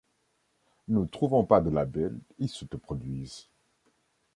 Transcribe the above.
Ne trouvant pas de label, ils s'autoproduisent.